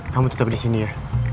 kamu tetep disini ya